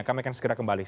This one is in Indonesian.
kami akan segera kembali